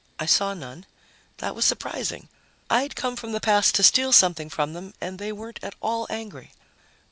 I saw none. That was surprising. I'd come from the past to steal something from them and they weren't at all angry.